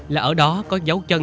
là ở đó có dấu chân